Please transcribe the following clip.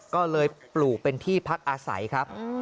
ก็เลยปลูกเป็นที่พักอาศัยครับ